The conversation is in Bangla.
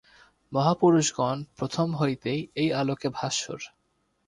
মহাপুরুষগণ প্রথম হইতেই এই আলোকে ভাস্বর।